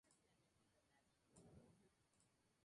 La frente se proyecta levemente hacia la parte frontal.